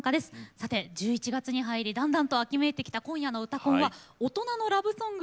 さて１１月に入りだんだんと秋めいてきた今夜の「うたコン」は大人のラブソングをたっぷりとお届けしてまいります。